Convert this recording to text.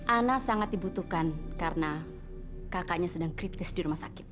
ana sangat dibutuhkan karena kakaknya sedang kritis di rumah sakit